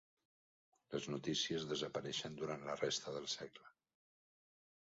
Les notícies desapareixen durant la resta del segle.